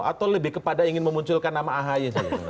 atau lebih kepada ingin memunculkan nama ahy